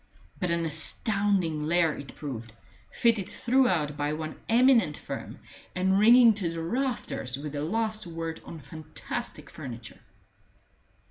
But an astounding lair it proved, fitted throughout by one eminent firm, and ringing to the rafters with the last word on fantastic furniture.